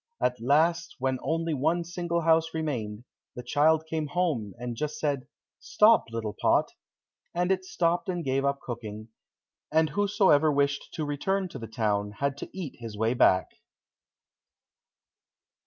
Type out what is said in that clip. At last when only one single house remained, the child came home and just said, "Stop, little pot," and it stopped and gave up cooking, and whosoever wished to return to the town had to eat his way back.